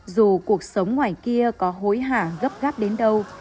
dù cuộc sống ngoài kia có hối hả gấp gáp đến đâu